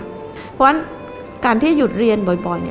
เพราะฉะนั้นการที่หยุดเรียนบ่อย